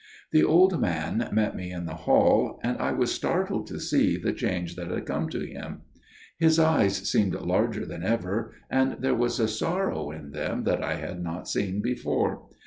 The old man met me in the hall, and I was startled to see the change that had come to him. His eyes seemed larger than ever, and there was a sorrow in them that I had not seen before.